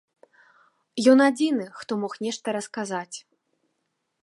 Ён адзіны, хто мог нешта расказаць.